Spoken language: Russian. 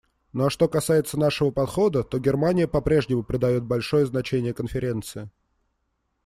Ну а что касается нашего подхода, то Германия по-прежнему придает большое значение Конференции.